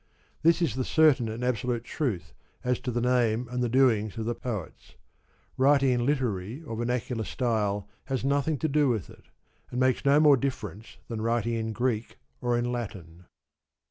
This is the certain and absolute truth as to the name and the doings of the Poets. Writing in literary or vernacular style has nothing to do with it, and makes no more difference than writing in Greek or in Latin.